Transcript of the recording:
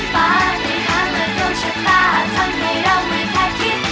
ฝากให้พามาโดนชะตาทำให้เราไม่แค่คิด